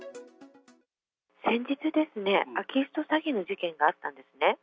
先日ですね、空き巣と詐欺の事件があったんですね。